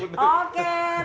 oke terima kasih